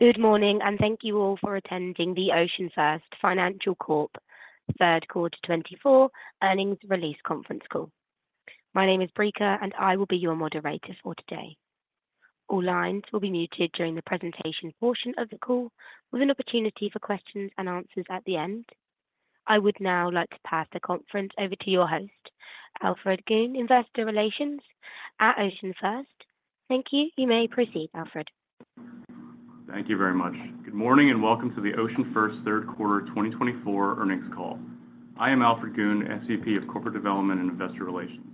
Good morning, and thank you all for attending the OceanFirst Financial Corp Third Quarter Twenty-Four Earnings Release conference call. My name is Brika, and I will be your moderator for today. All lines will be muted during the presentation portion of the call, with an opportunity for questions and answers at the end. I would now like to pass the conference over to your host, Alfred Goon, Investor Relations at OceanFirst. Thank you. You may proceed, Alfred. Thank you very much. Good morning, and welcome to the OceanFirst Third Quarter twenty twenty-four earnings call. I am Alfred Goon, SVP of Corporate Development and Investor Relations.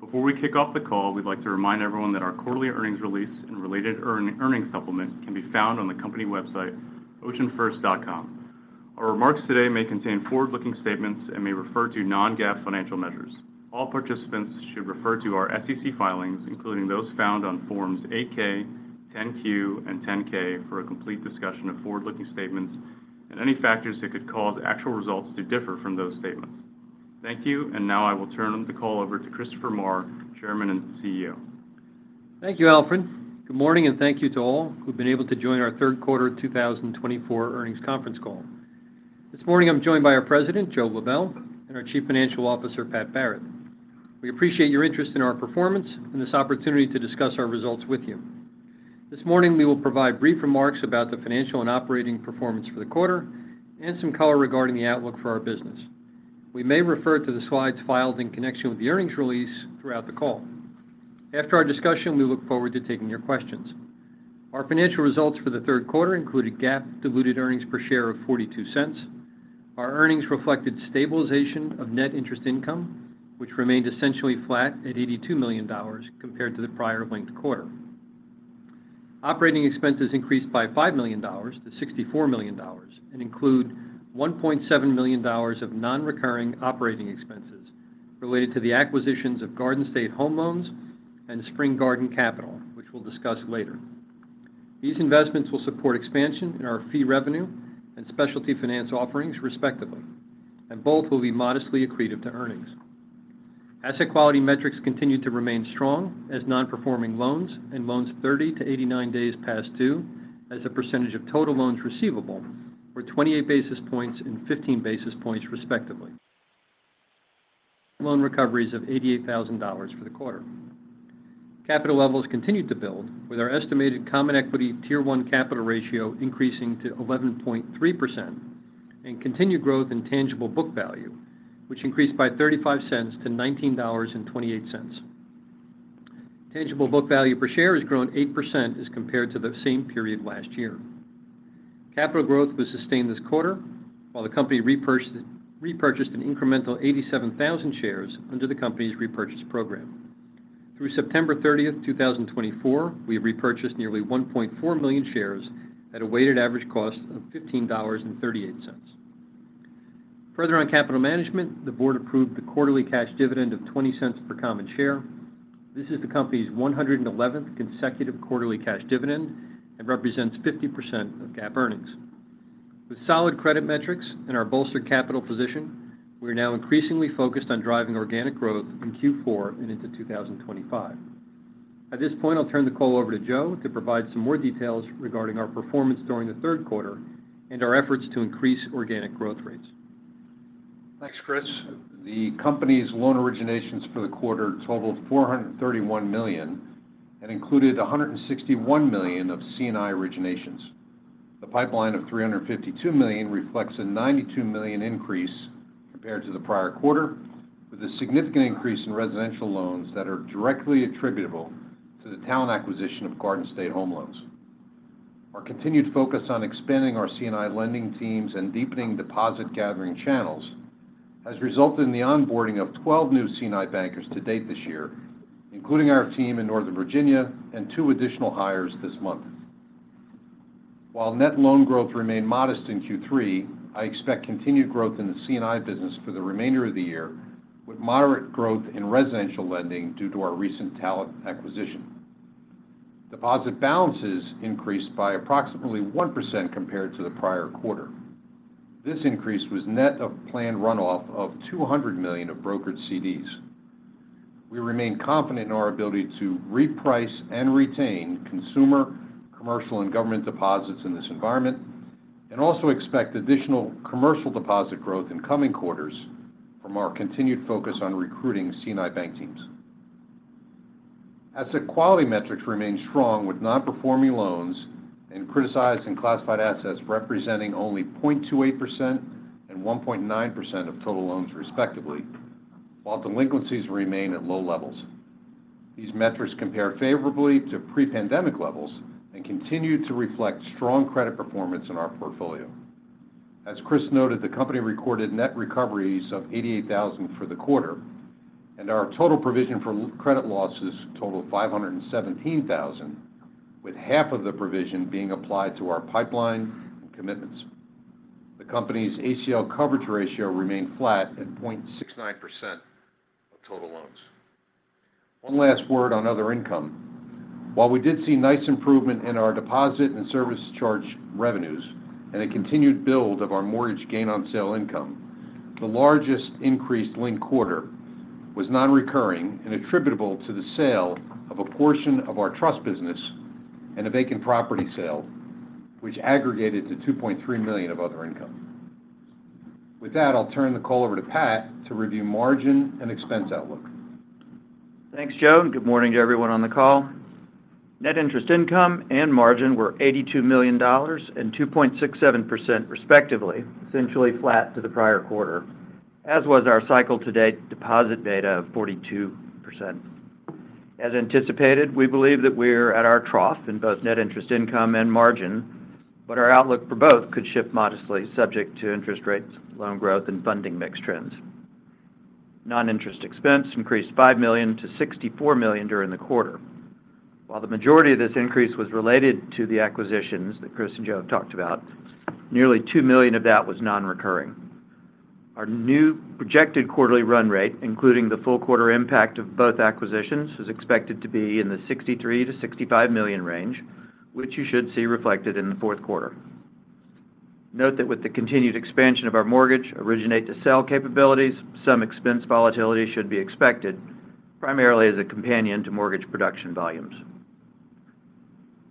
Before we kick off the call, we'd like to remind everyone that our quarterly earnings release and related earnings supplement can be found on the company website, oceanfirst.com. Our remarks today may contain forward-looking statements and may refer to non-GAAP financial measures. All participants should refer to our SEC filings, including those found on Forms 8-K, 10-Q, and 10-K, for a complete discussion of forward-looking statements and any factors that could cause actual results to differ from those statements. Thank you, and now I will turn the call over to Christopher Maher, Chairman and CEO. Thank you, Alfred. Good morning, and thank you to all who've been able to join our third quarter two thousand and twenty-four earnings conference call. This morning, I'm joined by our President, Joe Lebel, and our Chief Financial Officer, Pat Barrett. We appreciate your interest in our performance and this opportunity to discuss our results with you. This morning, we will provide brief remarks about the financial and operating performance for the quarter and some color regarding the outlook for our business. We may refer to the slides filed in connection with the earnings release throughout the call. After our discussion, we look forward to taking your questions. Our financial results for the third quarter included GAAP diluted earnings per share of $0.42. Our earnings reflected stabilization of net interest income, which remained essentially flat at $82 million compared to the prior linked quarter. Operating expenses increased by $5 million-$ 64 million and include $1.7 million of non-recurring operating expenses related to the acquisitions of Garden State Home Loans and Spring Garden Capital, which we'll discuss later. These investments will support expansion in our fee revenue and specialty finance offerings, respectively, and both will be modestly accretive to earnings. Asset quality metrics continue to remain strong as non-performing loans and loans 30-89 days past due, as a percentage of total loans receivable, were 28 basis points and 15 basis points, respectively. Loan recoveries of $88,000 for the quarter. Capital levels continued to build, with our estimated common equity Tier 1 capital ratio increasing to 11.3% and continued growth in tangible book value, which increased by $0.35 to $19.28. Tangible book value per share has grown 8% as compared to the same period last year. Capital growth was sustained this quarter, while the company repurchased an incremental 87,000 shares under the company's repurchase program. Through September 30th, 2024, we have repurchased nearly 1.4 million shares at a weighted average cost of $15.38. Further on capital management, the board approved the quarterly cash dividend of $0.20 per common share. This is the company's 111th consecutive quarterly cash dividend and represents 50% of GAAP earnings. With solid credit metrics and our bolstered capital position, we are now increasingly focused on driving organic growth in Q4 and into 2025. At this point, I'll turn the call over to Joe to provide some more details regarding our performance during the third quarter and our efforts to increase organic growth rates. Thanks, Chris. The company's loan originations for the quarter totaled $431 million and included $161 million of C&I originations. The pipeline of $352 million reflects a $92 million increase compared to the prior quarter, with a significant increase in residential loans that are directly attributable to the talent acquisition of Garden State Home Loans. Our continued focus on expanding our C&I lending teams and deepening deposit gathering channels has resulted in the onboarding of 12 new C&I bankers to date this year, including our team in Northern Virginia and two additional hires this month. While net loan growth remained modest in Q3, I expect continued growth in the C&I business for the remainder of the year, with moderate growth in residential lending due to our recent talent acquisition. Deposit balances increased by approximately 1% compared to the prior quarter. This increase was net of planned runoff of $200 million of brokered CDs. We remain confident in our ability to reprice and retain consumer, commercial, and government deposits in this environment and also expect additional commercial deposit growth in coming quarters from our continued focus on recruiting C&I bank teams. Asset quality metrics remain strong, with non-performing loans and criticized and classified assets representing only 0.28% and 1.9% of total loans, respectively, while delinquencies remain at low levels. These metrics compare favorably to pre-pandemic levels and continue to reflect strong credit performance in our portfolio. As Chris noted, the company recorded net recoveries of $88,000 for the quarter, and our total provision for credit losses totaled $517,000, with half of the provision being applied to our pipeline and commitments. The company's ACL coverage ratio remained flat at 0.69% of total loans. One last word on other income. While we did see nice improvement in our deposit and service charge revenues and a continued build of our mortgage gain on sale income, the largest increased linked quarter-... was nonrecurring and attributable to the sale of a portion of our trust business and a vacant property sale, which aggregated to $2.3 million of other income. With that, I'll turn the call over to Pat to review margin and expense outlook. Thanks, Joe, and good morning to everyone on the call. Net interest income and margin were $82 million and 2.67% respectively, essentially flat to the prior quarter, as was our cycle to date deposit beta of 42%. As anticipated, we believe that we're at our trough in both net interest income and margin, but our outlook for both could shift modestly subject to interest rates, loan growth, and funding mix trends. Non-interest expense increased $5 million to $64 million during the quarter. While the majority of this increase was related to the acquisitions that Chris and Joe have talked about, nearly $2 million of that was nonrecurring. Our new projected quarterly run rate, including the full quarter impact of both acquisitions, is expected to be in the $63-$65 million range, which you should see reflected in the fourth quarter. Note that with the continued expansion of our mortgage originate-to-sell capabilities, some expense volatility should be expected, primarily as a companion to mortgage production volumes.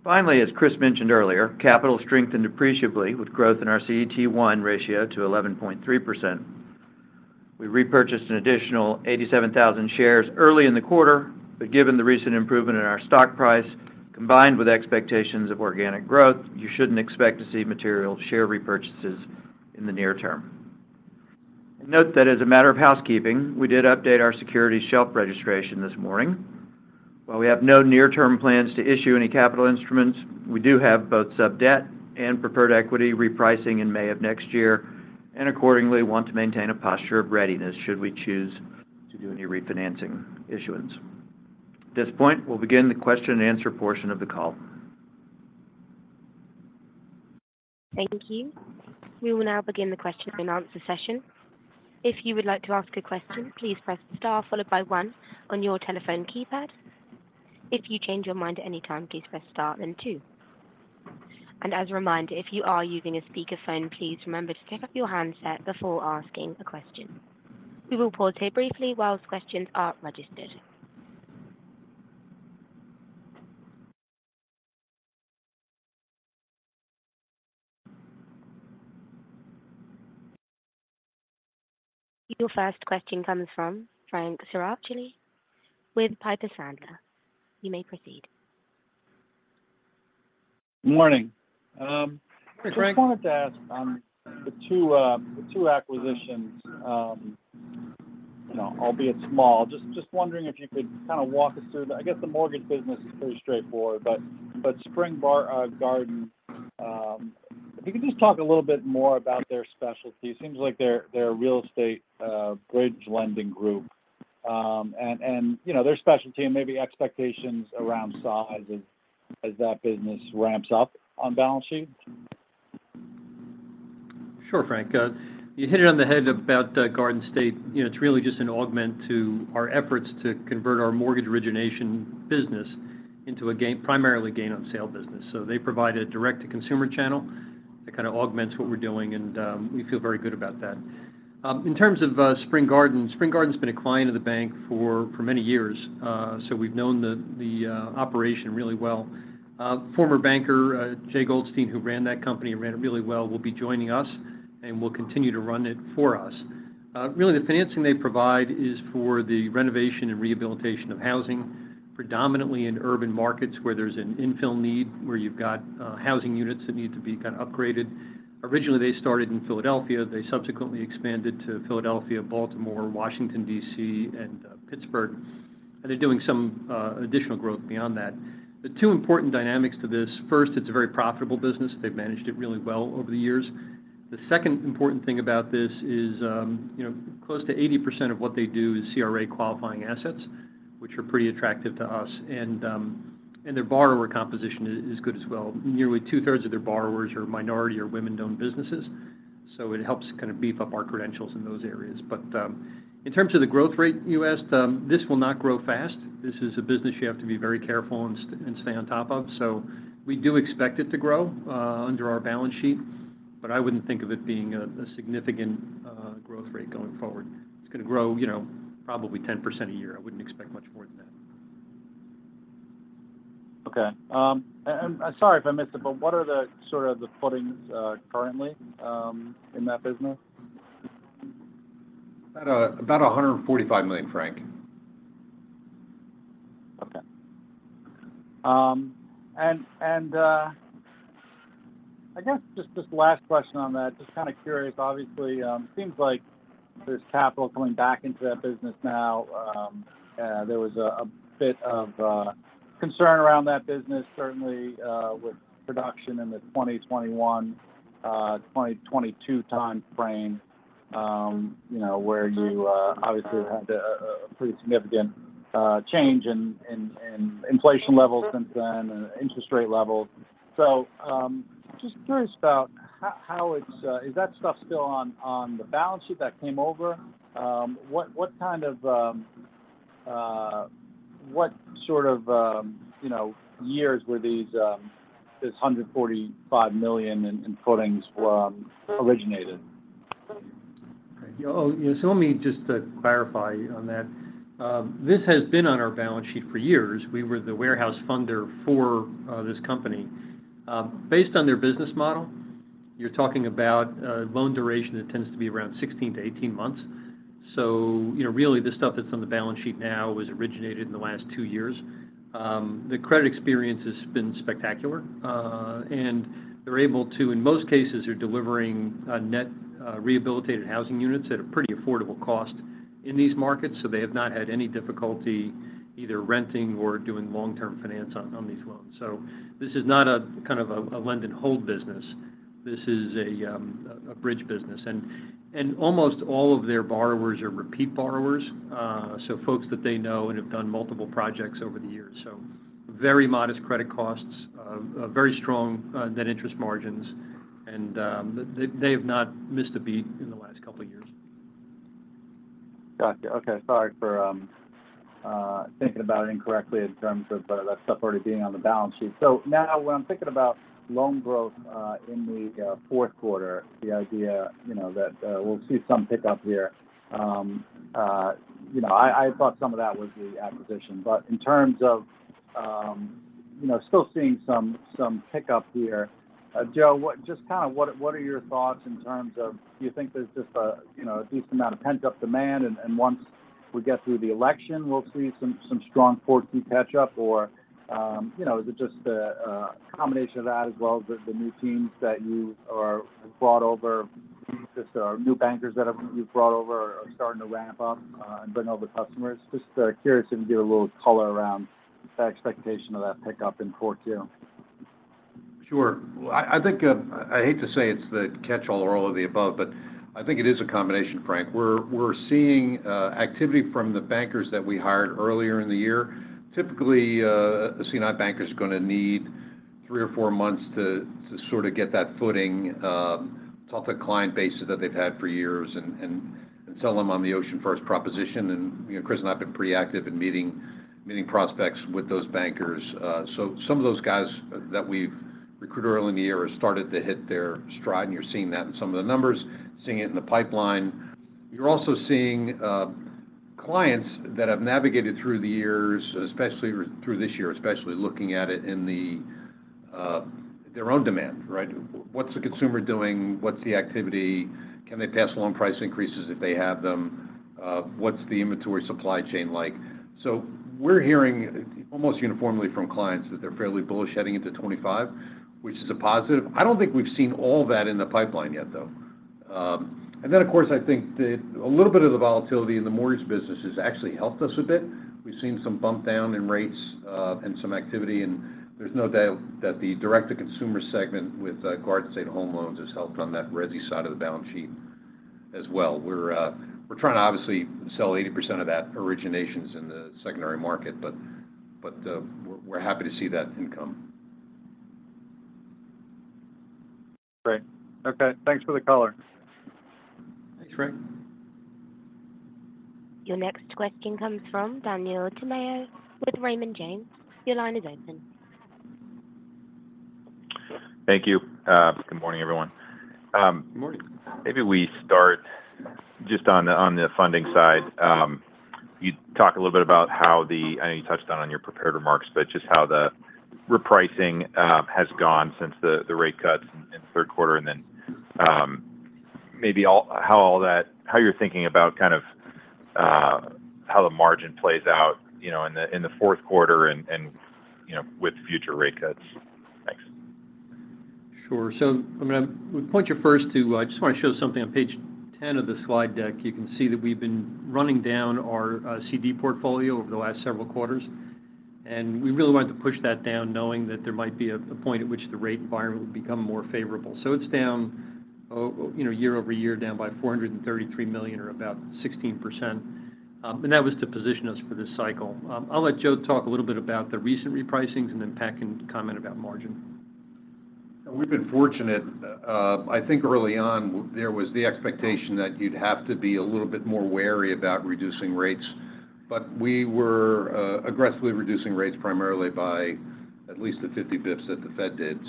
Finally, as Chris mentioned earlier, capital strengthened appreciably with growth in our CET1 ratio to 11.3%. We repurchased an additional 87,000 shares early in the quarter, but given the recent improvement in our stock price, combined with expectations of organic growth, you shouldn't expect to see material share repurchases in the near term. Note that as a matter of housekeeping, we did update our securities shelf registration this morning. While we have no near-term plans to issue any capital instruments, we do have both sub-debt and preferred equity repricing in May of next year, and accordingly, want to maintain a posture of readiness, should we choose to do any refinancing issuance. At this point, we'll begin the question and answer portion of the call. Thank you. We will now begin the question and answer session. If you would like to ask a question, please press star followed by one on your telephone keypad. If you change your mind at any time, please press star then two. and as a reminder, if you are using a speakerphone, please remember to pick up your handset before asking a question. We will pause here briefly while questions are registered. Your first question comes from Frank Schiraldi with Piper Sandler. You may proceed. Morning. Hey, Frank. Just wanted to ask on the two acquisitions, you know, albeit small, just wondering if you could kind of walk us through that. I guess the mortgage business is pretty straightforward, but Spring Garden, if you could just talk a little bit more about their specialty. It seems like they're a real estate bridge lending group, and you know their specialty and maybe expectations around size as that business ramps up on balance sheet. Sure, Frank. You hit it on the head about Garden State. You know, it's really just an augment to our efforts to convert our mortgage origination business into a gain - primarily gain on sale business. So they provide a direct-to-consumer channel that kind of augments what we're doing, and we feel very good about that. In terms of Spring Garden, Spring Garden has been a client of the bank for many years. So we've known the operation really well. Former banker Jay Goldstein, who ran that company and ran it really well, will be joining us and will continue to run it for us. Really, the financing they provide is for the renovation and rehabilitation of housing, predominantly in urban markets, where there's an infill need, where you've got housing units that need to be kind of upgraded. Originally, they started in Philadelphia. They subsequently expanded to Philadelphia, Baltimore, Washington, D.C., and Pittsburgh, and they're doing some additional growth beyond that. The two important dynamics to this: first, it's a very profitable business. They've managed it really well over the years. The second important thing about this is, you know, close to 80% of what they do is CRA qualifying assets, which are pretty attractive to us, and their borrower composition is good as well. Nearly two-thirds of their borrowers are minority or women-owned businesses, so it helps kind of beef up our credentials in those areas. But, in terms of the growth rate you asked, this will not grow fast. This is a business you have to be very careful and stay on top of. So we do expect it to grow under our balance sheet, but I wouldn't think of it being a significant growth rate going forward. It's going to grow, you know, probably 10% a year. I wouldn't expect much more than that. Okay. And sorry if I missed it, but what are the sort of footings currently in that business? About $145 million, Frank. Okay. And I guess just this last question on that. Just kind of curious, obviously, seems like there's capital coming back into that business now. There was a bit of concern around that business, certainly, with production in the 2021, 2022 time frame, you know, where you obviously had a pretty significant change in inflation levels since then and interest rate levels. Just curious about how it's... Is that stuff still on the balance sheet that came over? What sort of, you know, years were these this 145 million in footings were originated? Great. Yeah, oh, so let me just clarify on that. This has been on our balance sheet for years. We were the warehouse funder for this company. Based on their business model, you're talking about loan duration that tends to be around sixteen to eighteen months. So, you know, really, this stuff that's on the balance sheet now was originated in the last two years. The credit experience has been spectacular, and they're able to, in most cases, they're delivering net rehabilitated housing units at a pretty affordable cost in these markets, so they have not had any difficulty either renting or doing long-term finance on these loans. So this is not a kind of a lend and hold business. This is a bridge business. Almost all of their borrowers are repeat borrowers, so folks that they know and have done multiple projects over the years. Very modest credit costs, a very strong net interest margins, and they have not missed a beat in the last couple of years. Got you. Okay. Sorry for thinking about it incorrectly in terms of that stuff already being on the balance sheet. So now when I'm thinking about loan growth in the fourth quarter, the idea, you know, that we'll see some pickup here. You know, I thought some of that was the acquisition, but in terms of still seeing some pickup here, Joe, what are your thoughts in terms of, do you think there's just a, you know, a decent amount of pent-up demand, and once we get through the election, we'll see some strong fourth quarter catch-up? Or, you know, is it just a combination of that as well as the new teams that you have brought over, just, new bankers that you've brought over are starting to ramp up, and bring all the customers? Just, curious if you can give a little color around the expectation of that pickup in quarter two. Sure. Well, I think I hate to say it's the catch-all or all of the above, but I think it is a combination, Frank. We're seeing activity from the bankers that we hired earlier in the year. Typically, a C&I banker is going to need three or four months to sort of get that footing, talk to client bases that they've had for years and sell them on the OceanFirst proposition. And, you know, Chris and I have been proactive in meeting prospects with those bankers. So some of those guys that we've recruited early in the year have started to hit their stride, and you're seeing that in some of the numbers, seeing it in the pipeline. You're also seeing clients that have navigated through the years, especially through this year, especially looking at it in their own demand, right? What's the consumer doing? What's the activity? Can they pass along price increases if they have them? What's the inventory supply chain like? So we're hearing almost uniformly from clients that they're fairly bullish heading into 2025, which is a positive. I don't think we've seen all that in the pipeline yet, though. And then, of course, I think that a little bit of the volatility in the mortgage business has actually helped us a bit. We've seen some bump down in rates, and some activity, and there's no doubt that the direct-to-consumer segment with Garden State Home Loans has helped on that resi side of the balance sheet as well. We're trying to obviously sell 80% of that originations in the secondary market, but we're happy to see that income. Great. Okay, thanks for the color. Thanks, Frank. Your next question comes from Daniel Tamayo with Raymond James. Your line is open. Thank you. Good morning, everyone. Good morning. Maybe we start just on the funding side. You talk a little bit about how. I know you touched on it in your prepared remarks, but just how the repricing has gone since the rate cuts in the third quarter, and then maybe how all that how you're thinking about kind of how the margin plays out, you know, in the fourth quarter and, you know, with future rate cuts. Thanks. Sure. So, I mean, we point you first to, I just want to show something on page 10 of the slide deck. You can see that we've been running down our CD portfolio over the last several quarters, and we really wanted to push that down, knowing that there might be a point at which the rate environment would become more favorable. So it's down, you know, year over year, down by $433 million or about 16%, and that was to position us for this cycle. I'll let Joe talk a little bit about the recent repricings, and then Pat can comment about margin. We've been fortunate. I think early on, there was the expectation that you'd have to be a little bit more wary about reducing rates, but we were aggressively reducing rates primarily by at least the fifty basis points that the Fed did,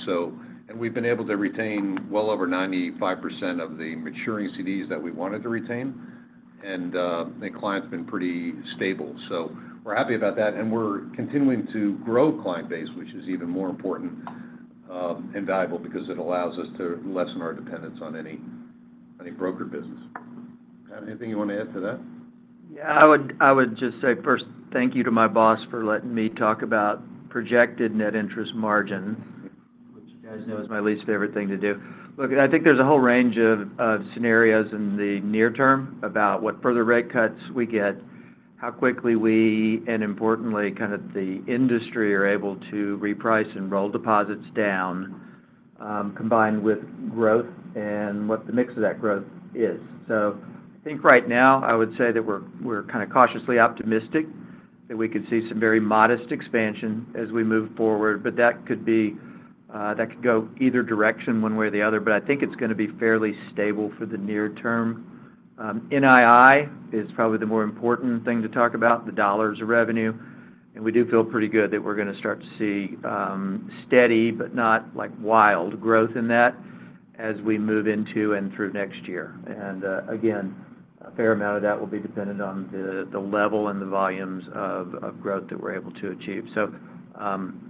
and we've been able to retain well over 95% of the maturing CDs that we wanted to retain, and the client's been pretty stable. So we're happy about that, and we're continuing to grow client base, which is even more important and valuable because it allows us to lessen our dependence on any broker business. Pat, anything you want to add to that? Yeah, I would, I would just say first, thank you to my boss for letting me talk about projected net interest margin, which you guys know is my least favorite thing to do. Look, I think there's a whole range of, of scenarios in the near term about what further rate cuts we get, how quickly we, and importantly, kind of the industry, are able to reprice and roll deposits down, combined with growth and what the mix of that growth is. So I think right now, I would say that we're, we're kind of cautiously optimistic that we could see some very modest expansion as we move forward, but that could be, that could go either direction one way or the other. But I think it's going to be fairly stable for the near term. NII is probably the more important thing to talk about, the dollars of revenue. And we do feel pretty good that we're going to start to see steady, but not, like, wild growth in that as we move into and through next year. And again, a fair amount of that will be dependent on the level and the volumes of growth that we're able to achieve. So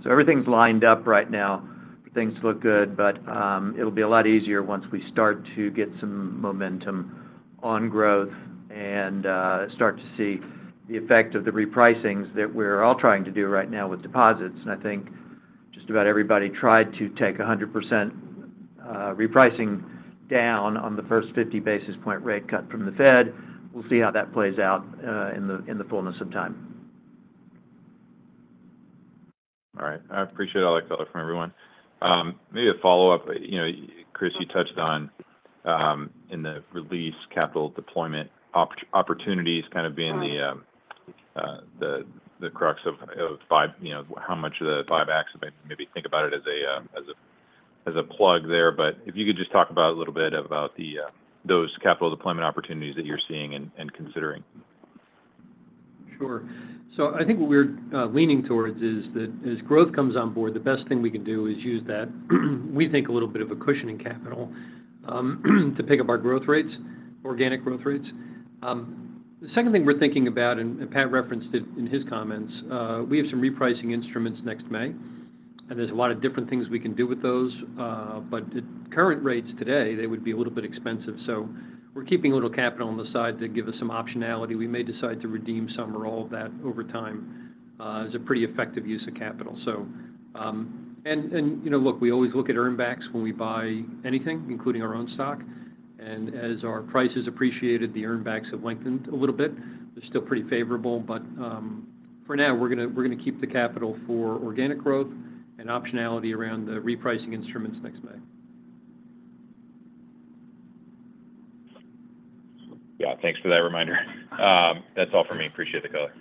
everything's lined up right now. Things look good, but it'll be a lot easier once we start to get some momentum on growth and start to see the effect of the repricings that we're all trying to do right now with deposits. And I think just about everybody tried to take 100% repricing down on the first 50 basis point rate cut from the Fed. We'll see how that plays out, in the fullness of time. All right. I appreciate all that color from everyone. Maybe a follow-up. You know, Chris, you touched on in the release, capital deployment opportunities kind of being the crux of five-- you know, how much of the five X, maybe think about it as a plug there. But if you could just talk about a little bit about those capital deployment opportunities that you're seeing and considering. Sure. So I think what we're leaning towards is that as growth comes on board, the best thing we can do is use that, we think, a little bit of a cushioning capital, to pick up our growth rates, organic growth rates. The second thing we're thinking about, and Pat referenced it in his comments, we have some repricing instruments next May, and there's a lot of different things we can do with those. But at current rates today, they would be a little bit expensive, so we're keeping a little capital on the side to give us some optionality. We may decide to redeem some or all of that over time. It's a pretty effective use of capital. You know, look, we always look at earn backs when we buy anything, including our own stock, and as our prices appreciated, the earn backs have lengthened a little bit. They're still pretty favorable, but for now, we're gonna keep the capital for organic growth and optionality around the repricing instruments next May. Yeah. Thanks for that reminder. That's all for me. Appreciate the color.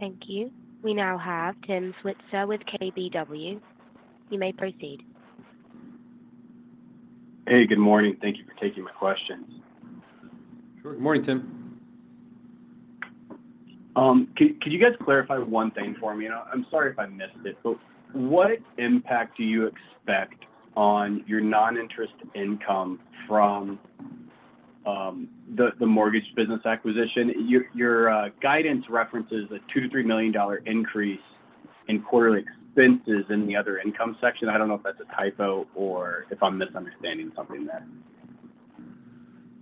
Thank you. We now have Tim Switzer with KBW. You may proceed. Hey, good morning. Thank you for taking my questions. Good morning, Tim. Could you guys clarify one thing for me? You know, I'm sorry if I missed it, but what impact do you expect on your non-interest income from the mortgage business acquisition? Your guidance references a $2 million-$3 million increase in quarterly expenses in the other income section. I don't know if that's a typo or if I'm misunderstanding something there.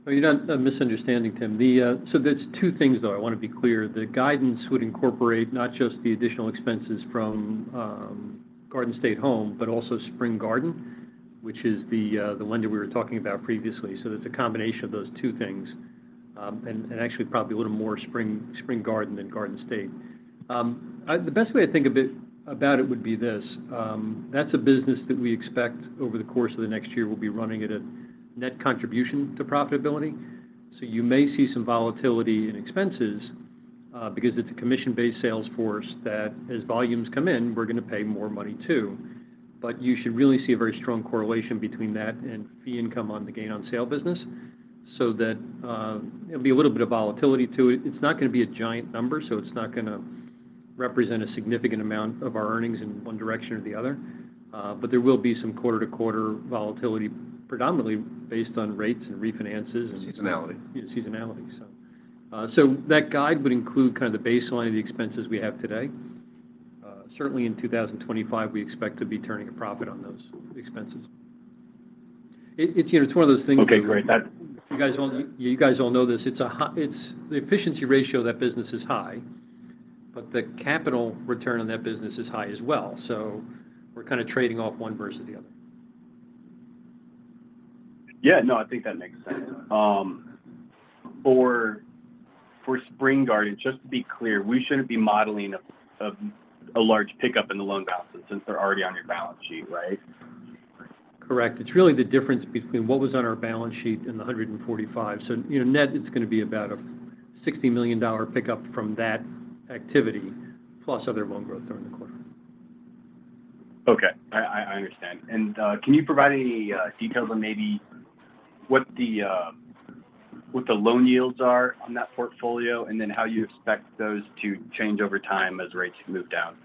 Well, you're not misunderstanding, Tim. The. So there's two things, though, I want to be clear. The guidance would incorporate not just the additional expenses from Garden State Home, but also Spring Garden, which is the lender we were talking about previously. So it's a combination of those two things, and actually probably a little more Spring Garden than Garden State. The best way to think a bit about it would be this: that's a business that we expect over the course of the next year, will be running at a net contribution to profitability. So you may see some volatility in expenses, because it's a commission-based sales force that as volumes come in, we're going to pay more money, too. But you should really see a very strong correlation between that and fee income on the gain on sale business, so that, there'll be a little bit of volatility to it. It's not going to be a giant number, so it's not going to represent a significant amount of our earnings in one direction or the other. But there will be some quarter-to-quarter volatility, predominantly based on rates and refinances and- Seasonality. Yeah, seasonality. So that guide would include kind of the baseline of the expenses we have today. Certainly in 2025, we expect to be turning a profit on those expenses. It's, you know, it's one of those things that- Okay, great. You guys all know this. The efficiency ratio of that business is high, but the capital return on that business is high as well. So we're kind of trading off one versus the other. Yeah, no, I think that makes sense. For Spring Garden, just to be clear, we shouldn't be modeling a large pickup in the loan balances since they're already on your balance sheet, right? Correct. It's really the difference between what was on our balance sheet and the 145. So, you know, net, it's going to be about a $60 million pickup from that activity, plus other loan growth during the quarter. Okay. I understand and can you provide any details on maybe what the loan yields are on that portfolio, and then how you expect those to change over time as rates move down?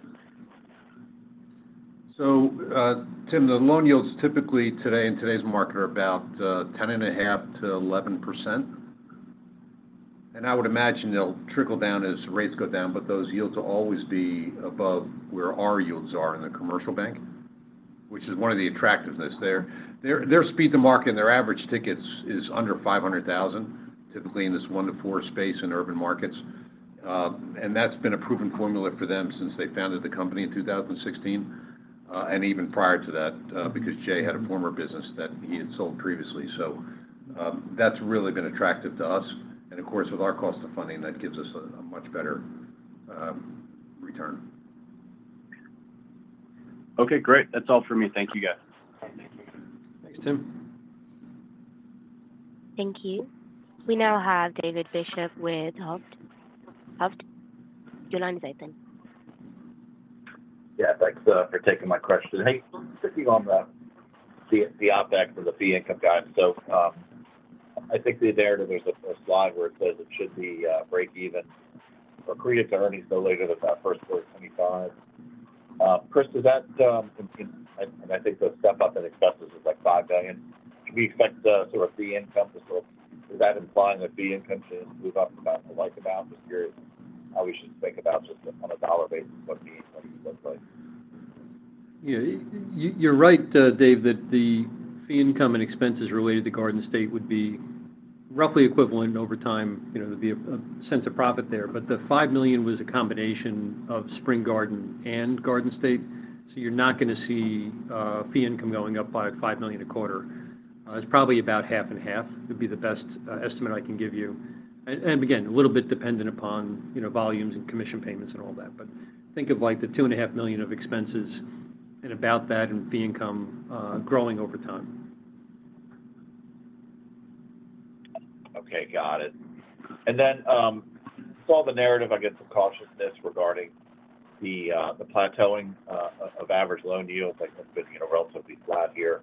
Tim, the loan yields typically today in today's market are about 10.5%-11%. I would imagine they'll trickle down as rates go down, but those yields will always be above where our yields are in the commercial bank, which is one of the attractiveness there. Their speed to market and their average tickets is under $500,000, typically in this 1-4 space in urban markets. And that's been a proven formula for them since they founded the company in 2016, and even prior to that, because Jay had a former business that he had sold previously. That's really been attractive to us. And of course, with our cost of funding, that gives us a much better return. Okay, great. That's all for me. Thank you, guys. Thank you. Thanks, Tim. Thank you. We now have David Bishop with Hovde. Hovde, your line is open.... Yeah, thanks for taking my question. Hey, sticking on the OpEx or the fee income guide. So, I think there's a slide where it says it should be breakeven, accretive to earnings no later than that first quarter of twenty-five. Chris, does that continue and I think the step up in expenses is, like, $5 million. Do we expect the fee income to is that implying that fee income should move up about, like, about this period? How we should think about just on a dollar basis, what fee income looks like? Yeah, you're right, Dave, that the fee income and expenses related to Garden State would be roughly equivalent over time. You know, there'd be a sense of profit there. But the $5 million was a combination of Spring Garden and Garden State, so you're not going to see fee income going up by $5 million a quarter. It's probably about half and half, would be the best estimate I can give you. And again, a little bit dependent upon, you know, volumes and commission payments and all that. But think of, like, the $2.5 million of expenses and about that in fee income growing over time. Okay, got it. And then saw the narrative, I guess, of cautiousness regarding the plateauing of average loan yields. I think it's been, you know, relatively flat here.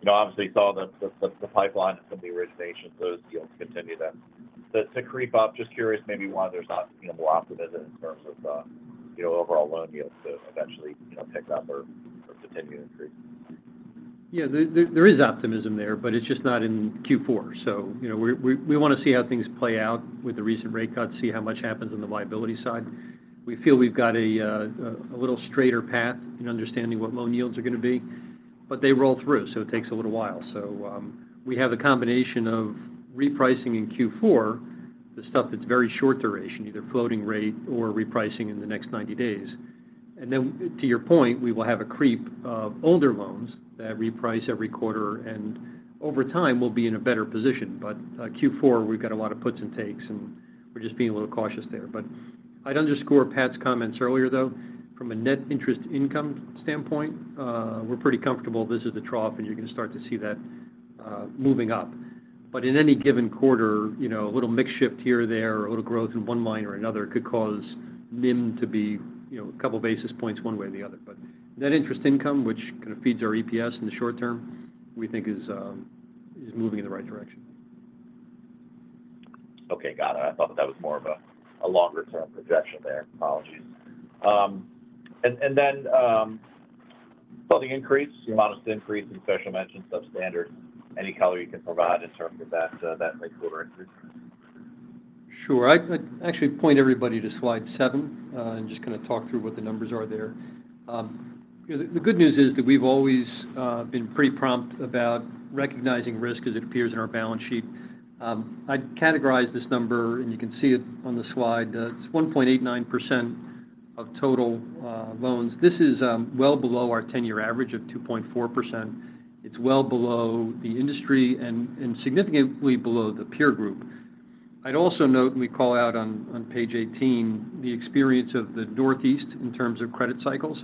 You know, obviously saw the pipeline from the origination, those deals continue to creep up. Just curious, maybe why there's not, you know, more optimism in terms of, you know, overall loan yields to eventually, you know, pick up or continue to increase? Yeah, there is optimism there, but it's just not in Q4. So, you know, we want to see how things play out with the recent rate cuts, see how much happens on the liability side. We feel we've got a little straighter path in understanding what loan yields are going to be, but they roll through, so it takes a little while. So, we have a combination of repricing in Q4, the stuff that's very short duration, either floating rate or repricing in the next ninety days. And then, to your point, we will have a creep of older loans that reprice every quarter, and over time, we'll be in a better position. But, Q4, we've got a lot of puts and takes, and we're just being a little cautious there. But I'd underscore Pat's comments earlier, though. From a net interest income standpoint, we're pretty comfortable this is the trough, and you're going to start to see that moving up. But in any given quarter, you know, a little mix shift here or there, or a little growth in one line or another, could cause NIM to be, you know, a couple basis points one way or the other. But net interest income, which kind of feeds our EPS in the short term, we think is moving in the right direction. Okay, got it. I thought that was more of a longer-term projection there. Apologies. And then saw the increase, the amount of increase in Special Mention, substandard. Any color you can provide in terms of that migration increase? Sure. I'd actually point everybody to slide seven, and just kind of talk through what the numbers are there. The good news is that we've always been pretty prompt about recognizing risk as it appears in our balance sheet. I'd categorize this number, and you can see it on the slide. It's 1.89% of total loans. This is well below our 10-year average of 2.4%. It's well below the industry and significantly below the peer group. I'd also note, and we call out on page 18, the experience of the Northeast in terms of credit cycles,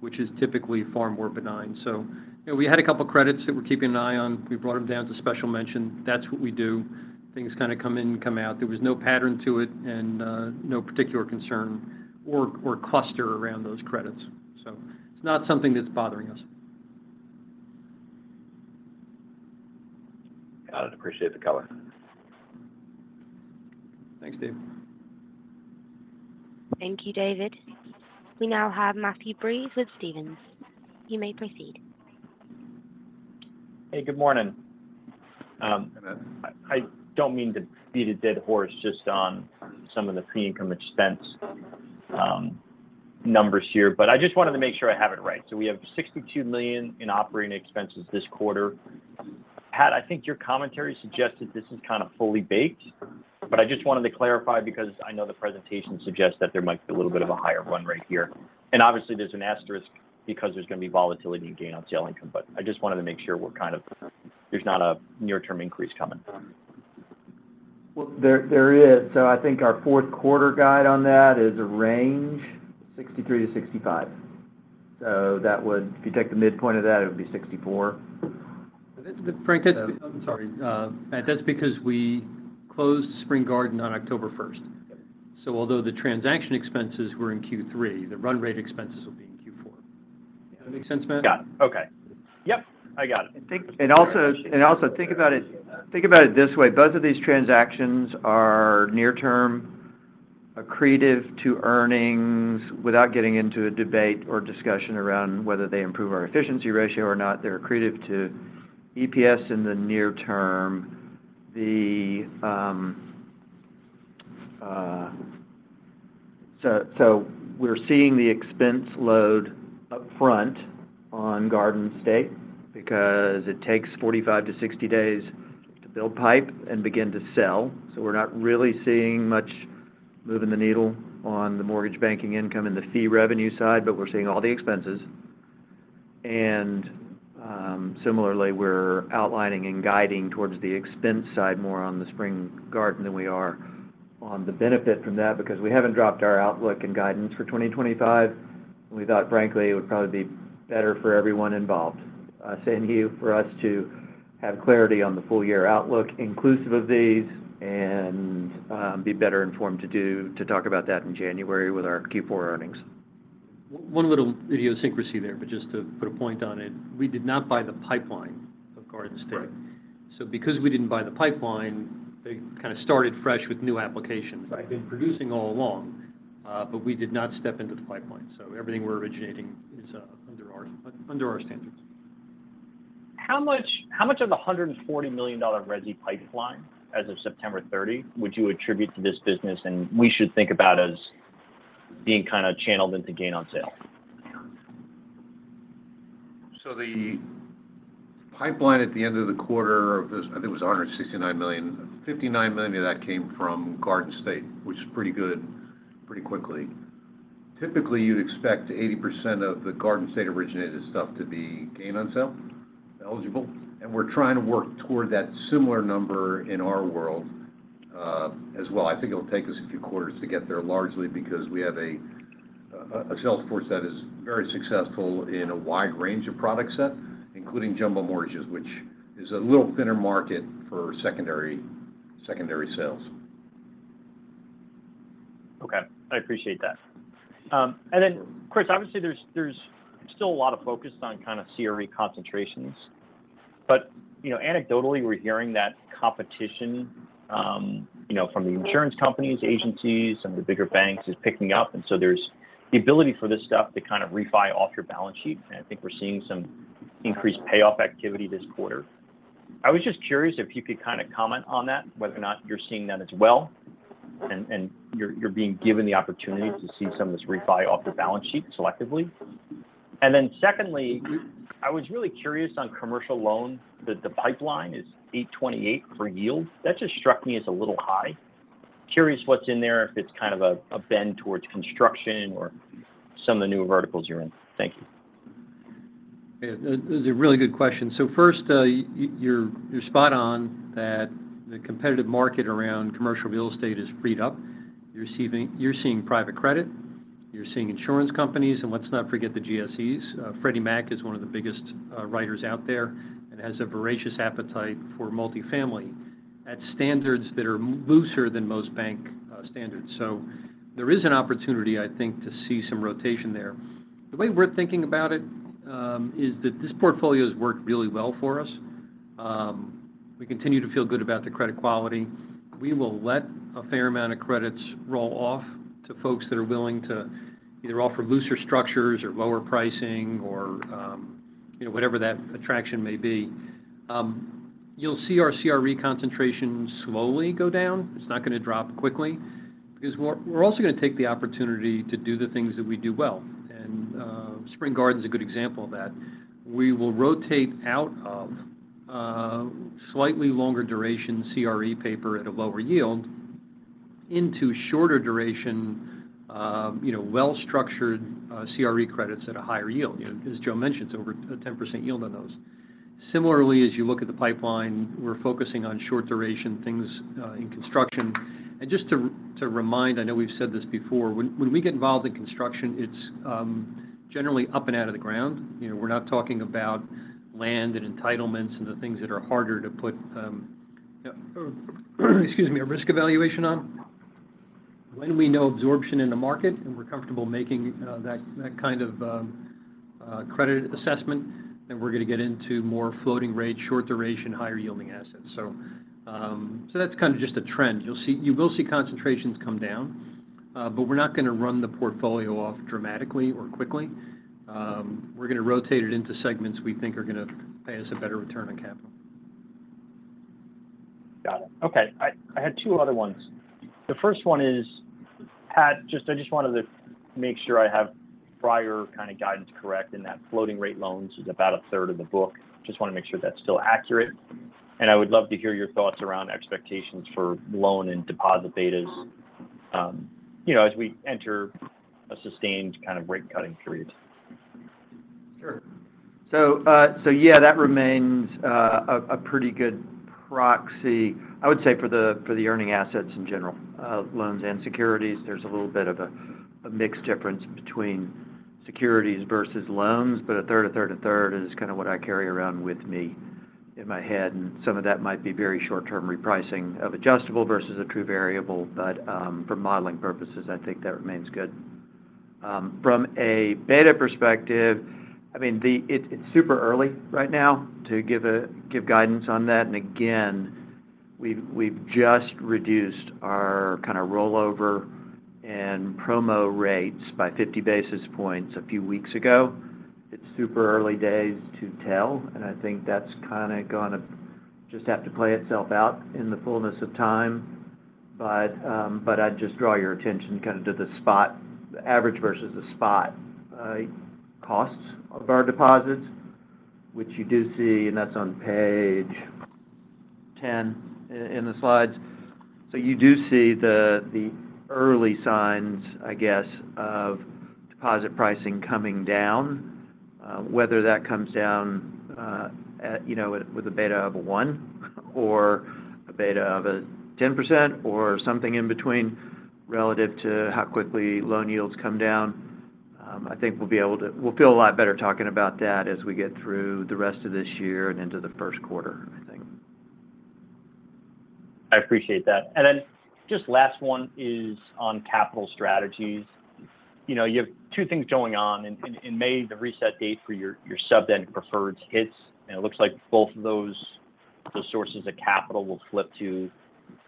which is typically far more benign. So, you know, we had a couple credits that we're keeping an eye on. We brought them down to special mention. That's what we do. Things kind of come in and come out. There was no pattern to it and no particular concern or cluster around those credits. So it's not something that's bothering us. Got it. Appreciate the color. Thanks, Dave. Thank you, David. We now have Matthew Breese with Stephens. You may proceed. Hey, good morning. I don't mean to beat a dead horse just on some of the fee income expense numbers here, but I just wanted to make sure I have it right. So we have $62 million in operating expenses this quarter. Pat, I think your commentary suggested this is kind of fully baked, but I just wanted to clarify because I know the presentation suggests that there might be a little bit of a higher run rate here. And obviously, there's an asterisk because there's going to be volatility and gain on sale income. But I just wanted to make sure we're kind of - there's not a near-term increase coming. There is. So I think our fourth quarter guide on that is a range, 63-65. So that would, if you take the midpoint of that, it would be 64. But that's, Frank, I'm sorry. And that's because we closed Spring Garden on October first. So although the transaction expenses were in Q3, the run rate expenses will be in Q4. Does that make sense, Matt? Got it. Okay. Yep, I got it. And also think about it this way: Both of these transactions are near-term accretive to earnings without getting into a debate or discussion around whether they improve our efficiency ratio or not. They're accretive to EPS in the near term, so we're seeing the expense load up front on Garden State because it takes forty-five to sixty days to build pipe and begin to sell, so we're not really seeing much moving the needle on the mortgage banking income and the fee revenue side, but we're seeing all the expenses, and similarly, we're outlining and guiding towards the expense side more on the Spring Garden than we are on the benefit from that, because we haven't dropped our outlook and guidance for twenty twenty-five. We thought, frankly, it would probably be better for everyone involved, saying to you, for us to have clarity on the full year outlook inclusive of these, and be better informed to talk about that in January with our Q4 earnings. One little idiosyncrasy there, but just to put a point on it, we did not buy the pipeline of Garden State. Right. So because we didn't buy the pipeline, they kind of started fresh with new applications. Right. They've been producing all along, but we did not step into the pipeline. So everything we're originating is under our standards. How much of the $140 million resi pipeline as of September 30 would you attribute to this business, and we should think about as being kind of channeled into gain on sale? So the pipeline at the end of the quarter of this, I think it was $169 million. $59 million of that came from Garden State, which is pretty good pretty quickly. Typically, you'd expect 80% of the Garden State originated stuff to be gain on sale eligible, and we're trying to work toward that similar number in our world, as well. I think it will take us a few quarters to get there, largely because we have a sales force that is very successful in a wide range of product set, including jumbo mortgages, which is a little thinner market for secondary sales. Okay. I appreciate that. And then, Chris, obviously, there's still a lot of focus on kind of CRE concentrations, but, you know, anecdotally, we're hearing that competition, you know, from the insurance companies, agencies, and the bigger banks is picking up. And so there's the ability for this stuff to kind of refi off your balance sheet, and I think we're seeing some increased payoff activity this quarter. I was just curious if you could kind of comment on that, whether or not you're seeing that as well, and you're being given the opportunity to see some of this refi off the balance sheet selectively. And then secondly, I was really curious on commercial loans, the pipeline is 8.28% for yield. That just struck me as a little high. Curious what's in there, if it's kind of a bend towards construction or some of the newer verticals you're in. Thank you. Yeah. Those are really good questions. So first, you're spot on that the competitive market around commercial real estate is freed up. You're seeing private credit, you're seeing insurance companies, and let's not forget the GSEs. Freddie Mac is one of the biggest writers out there and has a voracious appetite for multifamily at standards that are looser than most bank standards. So there is an opportunity, I think, to see some rotation there. The way we're thinking about it is that this portfolio has worked really well for us. We continue to feel good about the credit quality. We will let a fair amount of credits roll off to folks that are willing to either offer looser structures or lower pricing or, you know, whatever that attraction may be. You'll see our CRE concentration slowly go down. It's not going to drop quickly, because we're also going to take the opportunity to do the things that we do well, and Spring Garden is a good example of that. We will rotate out of slightly longer duration CRE paper at a lower yield into shorter duration, you know, well-structured CRE credits at a higher yield. You know, as Joe mentioned, over a 10% yield on those. Similarly, as you look at the pipeline, we're focusing on short duration things in construction. Just to remind, I know we've said this before, when we get involved in construction, it's generally up and out of the ground. You know, we're not talking about land and entitlements and the things that are harder to put, excuse me, a risk evaluation on. When we know absorption in the market, and we're comfortable making that kind of credit assessment, then we're going to get into more floating rate, short duration, higher-yielding assets. So, so that's kind of just a trend. You'll see concentrations come down, but we're not going to run the portfolio off dramatically or quickly. We're going to rotate it into segments we think are going to pay us a better return on capital. Got it. Okay. I had two other ones. The first one is, Pat, just—I just wanted to make sure I have prior kind of guidance correct, in that floating rate loans is about a third of the book. Just want to make sure that's still accurate. And I would love to hear your thoughts around expectations for loan and deposit betas, you know, as we enter a sustained kind of rate cutting period. Sure. So, so yeah, that remains a pretty good proxy, I would say, for the earning assets in general, loans and securities. There's a little bit of a mix difference between securities versus loans, but a third, a third, and third is kind of what I carry around with me in my head, and some of that might be very short-term repricing of adjustable versus a true variable. But, for modeling purposes, I think that remains good. From a beta perspective, I mean, the, it, it's super early right now to give guidance on that. And again, we've just reduced our kind of rollover and promo rates by 50 basis points a few weeks ago. It's super early days to tell, and I think that's kind of going to just have to play itself out in the fullness of time. But I'd just draw your attention kind of to the spot, the average versus the spot, costs of our deposits, which you do see, and that's on page 10 in the slides. So you do see the early signs, I guess, of deposit pricing coming down. Whether that comes down, you know, with a beta of a one or a beta of a 10% or something in between, relative to how quickly loan yields come down. ... I think we'll feel a lot better talking about that as we get through the rest of this year and into the first quarter, I think. I appreciate that. And then just last one is on capital strategies. You know, you have two things going on, and in May, the reset date for your sub debt and preferreds hits, and it looks like both of those sources of capital will flip to, you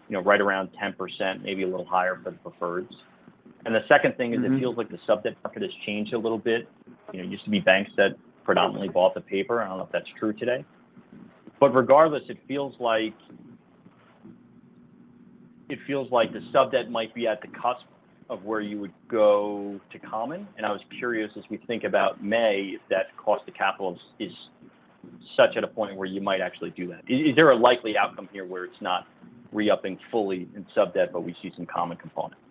know, right around 10%, maybe a little higher for the preferreds. And the second thing- Mm-hmm It feels like the sub debt market has changed a little bit. You know, it used to be banks that predominantly bought the paper. I don't know if that's true today. But regardless, it feels like the sub debt might be at the cusp of where you would go to common. And I was curious, as we think about May, if that cost to capital is such a point where you might actually do that. Is there a likely outcome here where it's not re-upping fully in sub debt, but we see some common component? You're,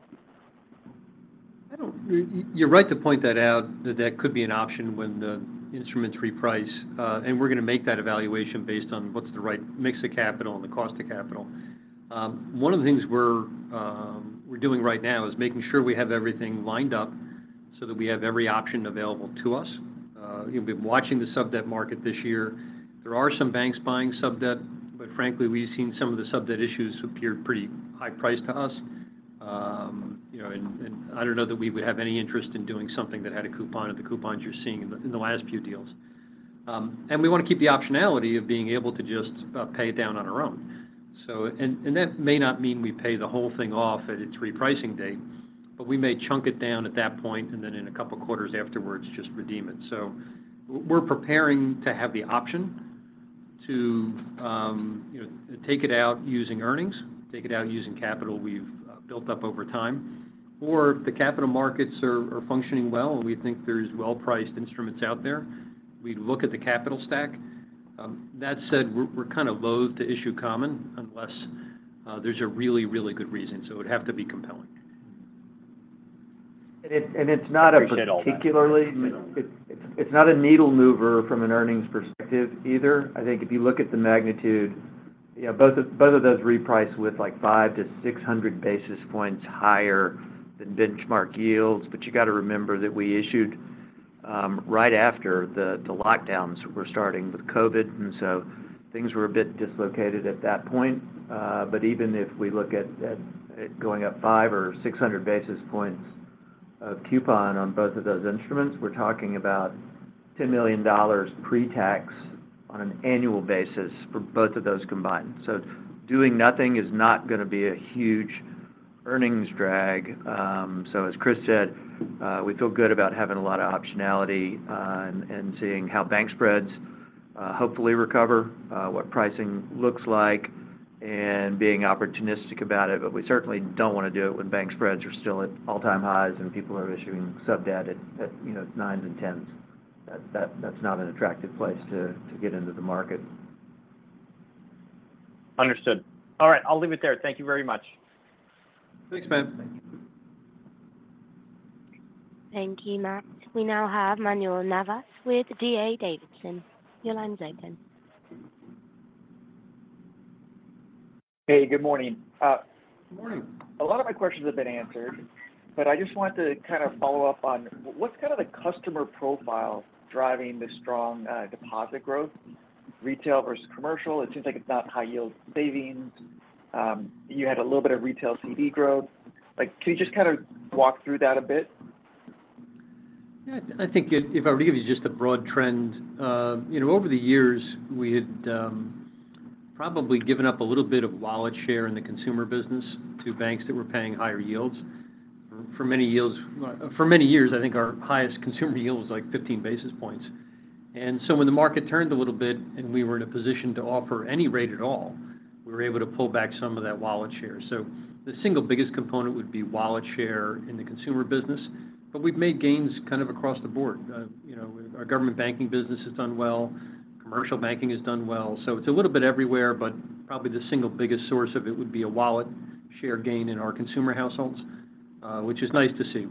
you're right to point that out, that that could be an option when the instruments reprice. And we're going to make that evaluation based on what's the right mix of capital and the cost of capital. One of the things we're, we're doing right now is making sure we have everything lined up so that we have every option available to us. We've been watching the sub debt market this year. There are some banks buying sub debt, but frankly, we've seen some of the sub debt issues appear pretty high priced to us. You know, and, and I don't know that we would have any interest in doing something that had a coupon or the coupons you're seeing in the last few deals. And we want to keep the optionality of being able to just pay it down on our own. So, and that may not mean we pay the whole thing off at its repricing date, but we may chunk it down at that point, and then in a couple of quarters afterwards, just redeem it. So we're preparing to have the option to, you know, take it out using earnings, take it out using capital we've built up over time, or if the capital markets are functioning well, and we think there's well-priced instruments out there, we'd look at the capital stack. That said, we're kind of loath to issue common unless there's a really, really good reason, so it would have to be compelling. It's not a particularly- Appreciate all that. It's not a needle mover from an earnings perspective either. I think if you look at the magnitude, you know, both of those reprice with like 500-600 basis points higher than benchmark yields. But you got to remember that we issued right after the lockdowns were starting with COVID, and so things were a bit dislocated at that point. But even if we look at going up 500-600 basis points of coupon on both of those instruments, we're talking about $10 million pre-tax on an annual basis for both of those combined. So doing nothing is not going to be a huge earnings drag. So as Chris said, we feel good about having a lot of optionality, and seeing how bank spreads hopefully recover, what pricing looks like, and being opportunistic about it. But we certainly don't want to do it when bank spreads are still at all-time highs and people are issuing sub debt at, you know, nines and tens. That's not an attractive place to get into the market. Understood. All right, I'll leave it there. Thank you very much. Thanks, Matt. Thank you, Matt. We now have Manuel Navas with D.A. Davidson. Your line's open. Hey, good morning. Good morning. A lot of my questions have been answered, but I just wanted to kind of follow up on what's kind of the customer profile driving the strong deposit growth, retail versus commercial? It seems like it's not high yield savings. You had a little bit of retail CD growth. Like, can you just kind of walk through that a bit? Yeah, I think if I were to give you just a broad trend, you know, over the years, we had probably given up a little bit of wallet share in the consumer business to banks that were paying higher yields. For many years, I think our highest consumer yield was, like, fifteen basis points. And so when the market turned a little bit and we were in a position to offer any rate at all, we were able to pull back some of that wallet share. So the single biggest component would be wallet share in the consumer business, but we've made gains kind of across the board. You know, our government banking business has done well, commercial banking has done well. So it's a little bit everywhere, but probably the single biggest source of it would be a wallet share gain in our consumer households, which is nice to see.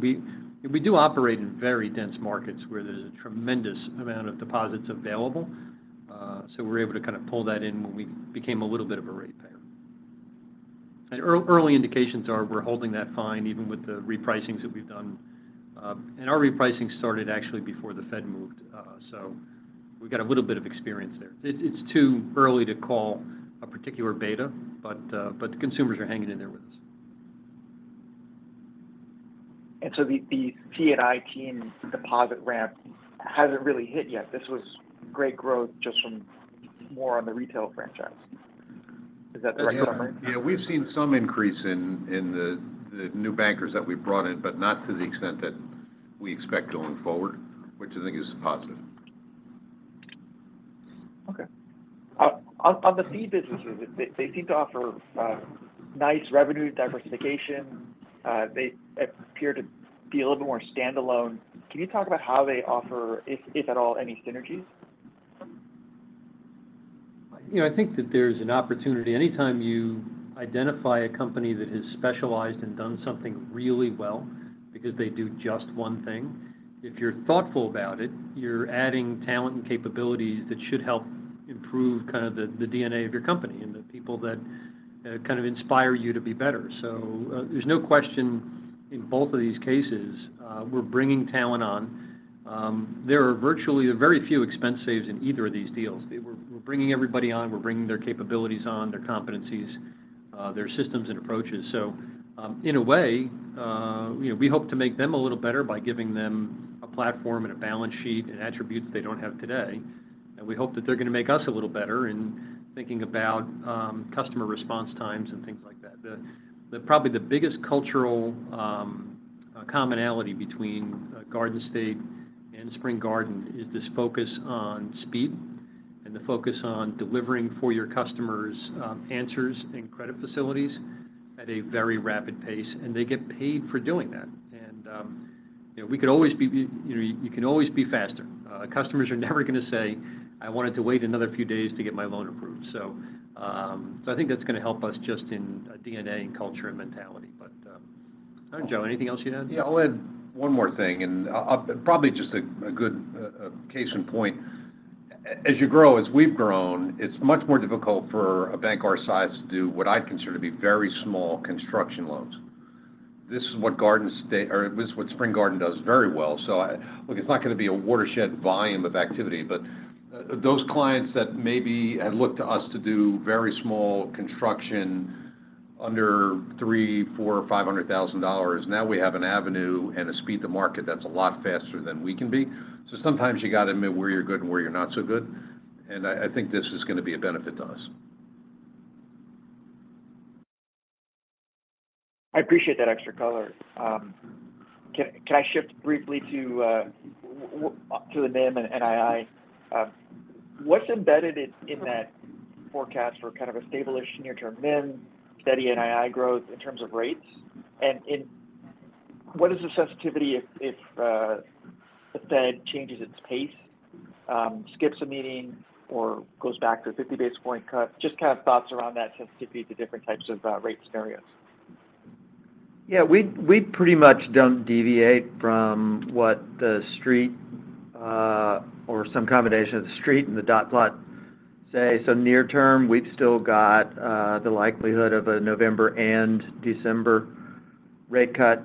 We do operate in very dense markets where there's a tremendous amount of deposits available. So we're able to kind of pull that in when we became a little bit of a rate payer. And early indications are we're holding that fine, even with the repricings that we've done. And our repricing started actually before the Fed moved, so we've got a little bit of experience there. It's too early to call a particular beta, but the consumers are hanging in there with us. And so the PNI team deposit ramp hasn't really hit yet. This was great growth just from more on the retail franchise. Is that the right summary? Yeah, we've seen some increase in the new bankers that we've brought in, but not to the extent that we expect going forward, which I think is positive. Okay. On the fee businesses, they seem to offer nice revenue diversification. They appear to be a little bit more standalone. Can you talk about how they offer, if at all, any synergies? You know, I think that there's an opportunity. Anytime you identify a company that has specialized and done something really well because they do just one thing, if you're thoughtful about it, you're adding talent and capabilities that should help improve kind of the DNA of your company. And the people kind of inspire you to be better. So, there's no question in both of these cases, we're bringing talent on. There are virtually a very few expense saves in either of these deals. We're bringing everybody on, we're bringing their capabilities on, their competencies, their systems and approaches. So, in a way, you know, we hope to make them a little better by giving them a platform and a balance sheet and attributes they don't have today. And we hope that they're going to make us a little better in thinking about customer response times and things like that. The, probably the biggest cultural commonality between Garden State and Spring Garden is this focus on speed and the focus on delivering for your customers answers and credit facilities at a very rapid pace, and they get paid for doing that. And you know, we could always be, you know, you can always be faster. Customers are never going to say, "I wanted to wait another few days to get my loan approved." So, so I think that's going to help us just in DNA and culture and mentality. But Joe, anything else you'd add? Yeah, I'll add one more thing, and probably just a good case in point. As you grow, as we've grown, it's much more difficult for a bank our size to do what I consider to be very small construction loans. This is what Garden State or this is what Spring Garden does very well. So, look, it's not going to be a watershed volume of activity, but those clients that maybe had looked to us to do very small construction under $300,000, $400,000, or $500,000, now we have an avenue and a speed to market that's a lot faster than we can be. So sometimes you got to admit where you're good and where you're not so good, and I think this is going to be a benefit to us. I appreciate that extra color. Can I shift briefly to the NIM and NII? What's embedded in that forecast for kind of a stable near-term NIM, steady NII growth in terms of rates? And what is the sensitivity if the Fed changes its pace, skips a meeting, or goes back to a fifty basis point cut? Just kind of thoughts around that sensitivity to different types of rate scenarios. Yeah, we pretty much don't deviate from what the street or some combination of the street and the dot plot say. So near term, we've still got the likelihood of a November and December rate cut,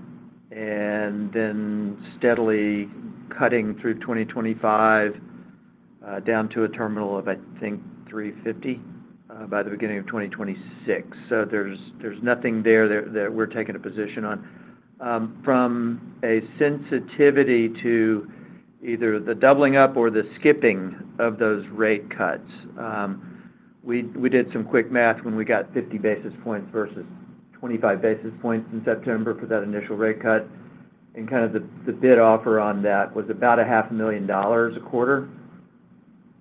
and then steadily cutting through twenty twenty-five down to a terminal of, I think, three fifty by the beginning of twenty twenty-six. So there's nothing there that we're taking a position on. From a sensitivity to either the doubling up or the skipping of those rate cuts, we did some quick math when we got fifty basis points versus twenty-five basis points in September for that initial rate cut. And kind of the bid-offer on that was about $500,000 a quarter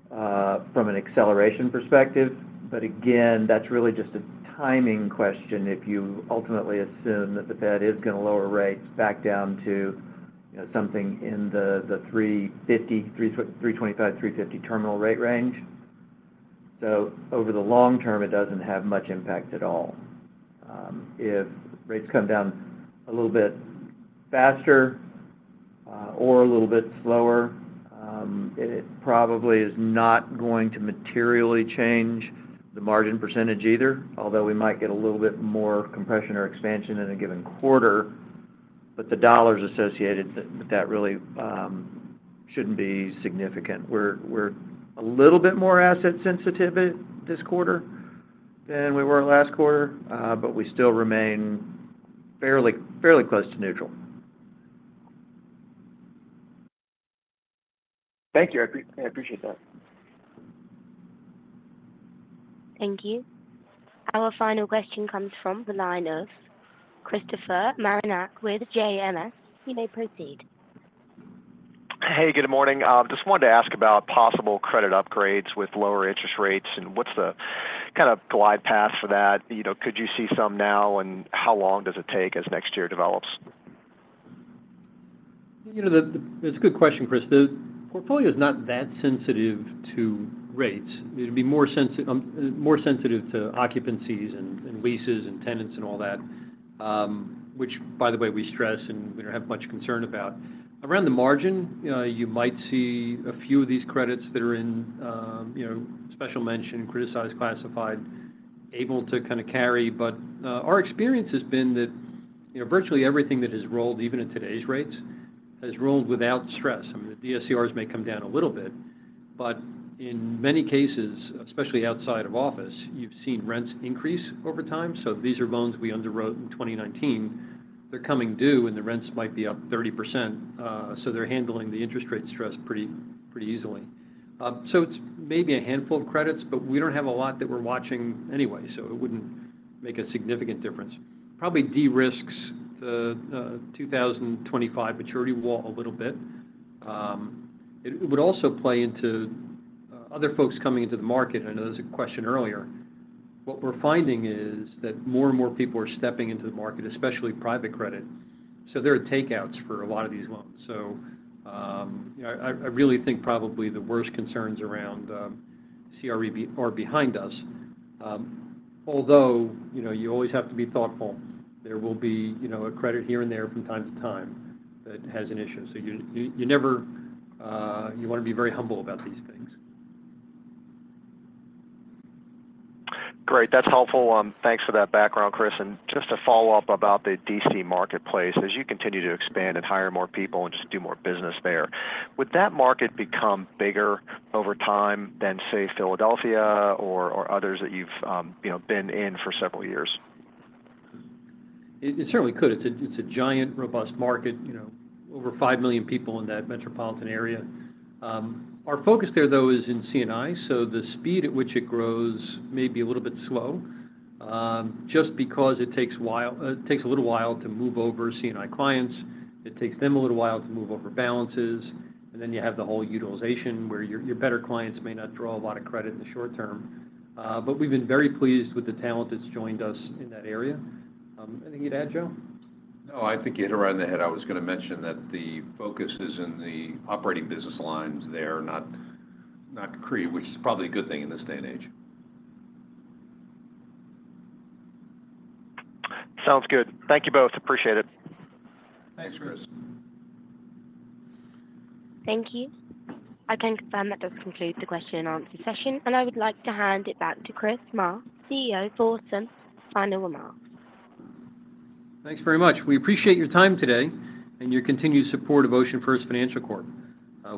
from an acceleration perspective. But again, that's really just a timing question if you ultimately assume that the Fed is going to lower rates back down to, you know, something in the 3.50%, 3.25%, 3.50% terminal rate range. So over the long term, it doesn't have much impact at all. If rates come down a little bit faster, or a little bit slower, it probably is not going to materially change the margin percentage either, although we might get a little bit more compression or expansion in a given quarter, but the dollars associated, that really, shouldn't be significant. We're a little bit more asset sensitive this quarter than we were last quarter, but we still remain fairly close to neutral. Thank you. I appreciate that. Thank you. Our final question comes from the line of Christopher Marinac with JMS. You may proceed. Hey, good morning. Just wanted to ask about possible credit upgrades with lower interest rates, and what's the kind of glide path for that? You know, could you see some now, and how long does it take as next year develops? You know, it's a good question, Chris. The portfolio is not that sensitive to rates. It'd be more sensitive, more sensitive to occupancies and, and leases and tenants and all that, which, by the way, we stress and we don't have much concern about. Around the margin, you might see a few of these credits that are in, you know, special mention, criticized, classified, able to kind of carry. But, our experience has been that, you know, virtually everything that has rolled, even at today's rates, has rolled without stress. I mean, the DSCRs may come down a little bit, but in many cases, especially outside of office, you've seen rents increase over time. So these are loans we underwrote in 2019. They're coming due, and the rents might be up 30%, so they're handling the interest rate stress pretty easily. So it's maybe a handful of credits, but we don't have a lot that we're watching anyway, so it wouldn't make a significant difference. Probably de-risks the 2025 maturity wall a little bit. It would also play into other folks coming into the market. I know there was a question earlier. What we're finding is that more and more people are stepping into the market, especially private credit. So there are takeouts for a lot of these loans. So, you know, I really think probably the worst concerns around CRE are behind us. Although, you know, you always have to be thoughtful. There will be, you know, a credit here and there from time to time that has an issue. So you want to be very humble about these things. Great. That's helpful. Thanks for that background, Chris. And just to follow up about the DC marketplace, as you continue to expand and hire more people and just do more business there, would that market become bigger over time than, say, Philadelphia or, or others that you've, you know, been in for several years? It certainly could. It's a giant, robust market, you know, over five million people in that metropolitan area. Our focus there, though, is in C&I, so the speed at which it grows may be a little bit slow, just because it takes a little while to move over C&I clients. It takes them a little while to move over balances, and then you have the whole utilization, where your better clients may not draw a lot of credit in the short term. But we've been very pleased with the talent that's joined us in that area. Anything you'd add, Joe? No, I think you hit it right on the head. I was going to mention that the focus is in the operating business lines there, not CRE, which is probably a good thing in this day and age. Sounds good. Thank you both. Appreciate it. Thanks, Chris. Thank you. I can confirm that does conclude the question and answer session, and I would like to hand it back to Chris Maher, CEO of OceanFirst, for final remarks. Thanks very much. We appreciate your time today and your continued support of OceanFirst Financial Corp.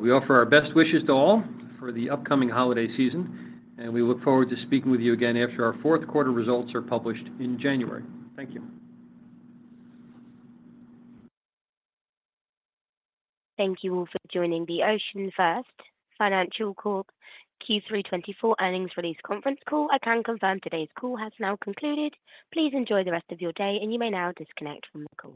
We offer our best wishes to all for the upcoming holiday season, and we look forward to speaking with you again after our fourth quarter results are published in January. Thank you. Thank you all for joining the OceanFirst Financial Corp. Q3 2024 earnings release conference call. I can confirm today's call has now concluded. Please enjoy the rest of your day, and you may now disconnect from the call.